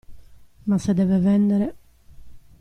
Ma se deve vendere…